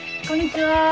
こんにちは。